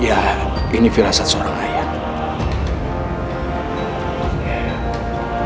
ya ini firasat seorang ayah